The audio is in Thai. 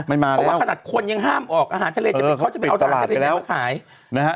เพราะว่าขนาดคนยังห้ามออกอาหารทะเลเขาจะไปเอาทางทะเลมาขาย